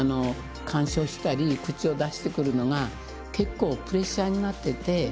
干渉したり口を出してくるのが結構プレッシャーになってて。